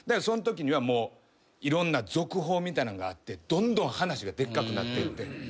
そんときにはいろんな続報みたいなんがあってどんどん話がでっかくなってって。